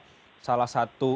ini adalah salah satu